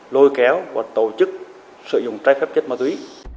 lôi kéo và tổ chức sử dụng trái phép chất ma túy